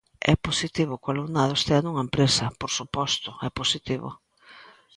É positivo que o alumnado estea nunha empresa; por suposto, é positivo.